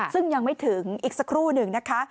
ซึ่งยังไม่ถึงอีกสักครู่หนึ่งนะคะ